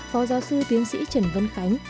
phó giáo sư tiến sĩ trần vân khánh